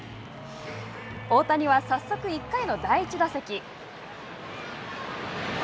大谷は、早速１回の第１打席。